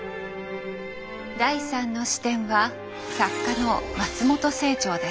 第３の視点は作家の松本清張です。